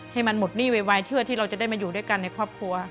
ให้มันหมดหนี้ไวเชื่อที่เราจะได้มาอยู่ด้วยกันในครอบครัว